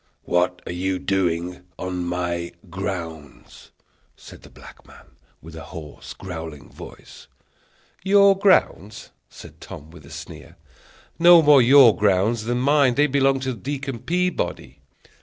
"What are you doing on my grounds?" said the black man, with a hoarse, growling voice. "Your grounds!" said Tom, with a sneer; "no more your grounds than mine; they belong to Deacon Peabody."